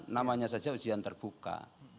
namanya saja ujian terbuka